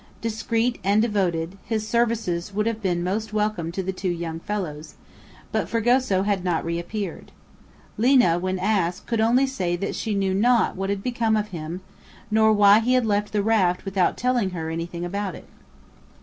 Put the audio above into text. Discreet and devoted, his services would have been most welcome to the two young fellows; but Fragoso had not reappeared. Lina, when asked, could only say that she knew not what had become of him, nor why he had left the raft without telling her anything about it.